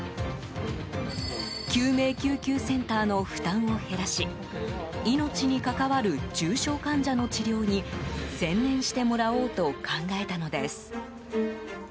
救命救急センターの負担を減らし命に関わる重症患者の治療に専念してもらおうと考えたのです。